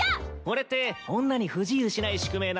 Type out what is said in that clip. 俺って女に不自由しない宿命なのよね。